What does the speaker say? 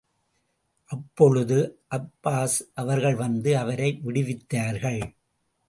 அப்பொழுது அப்பாஸ் அவர்கள் வந்து அவரை விடுவித்தார்கள்.